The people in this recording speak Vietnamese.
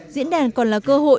diễn đàn còn là cơ hội